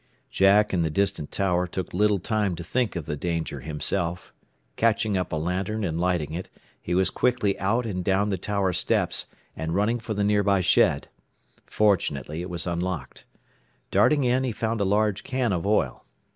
Jack, in the distant tower, took little time to think of the danger himself. Catching up a lantern and lighting it, he was quickly out and down the tower steps, and running for the nearby shed. Fortunately it was unlocked. Darting in, he found a large can of oil.